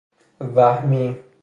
وهمی